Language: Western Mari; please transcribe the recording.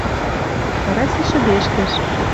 Караси шӹдешкӹш.